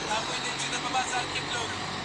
ستا له لوري نسیم راغی د زګېرویو په ګامونو